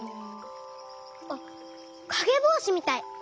あっかげぼうしみたい！